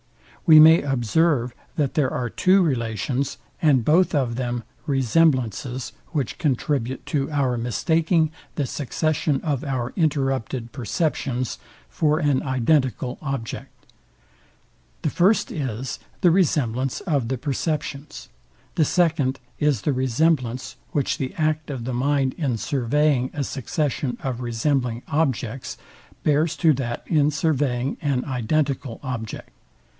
We may observe, that there are two relations, and both of them resemblances, which contribute to our mistaking the succession of our interrupted perceptions for an identical object. The first is, the resemblance of the perceptions: The second is the resemblance, which the act of the mind in surveying a succession of resembling objects bears to that in surveying an identical object.